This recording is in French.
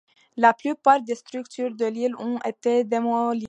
La plupart des structures de l'île ont été démolies.